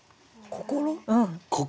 「心」。